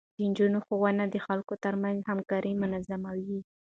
د نجونو ښوونه د خلکو ترمنځ همکاري منظموي.